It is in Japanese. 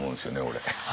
俺。